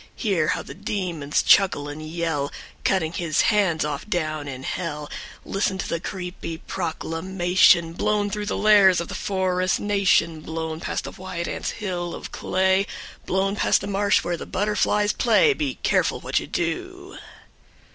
Hear how the demons chuckle and yell Cutting his hands off, down in Hell. Listen to the creepy proclamation, Blown through the lairs of the forest nation, Blown past the white ants' hill of clay, Blown past the marsh where the butterflies play: "Be careful what you do, # All the o sounds very golden.